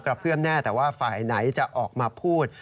เพื่อมแน่แต่ว่าฝ่ายไหนจะออกมาพูด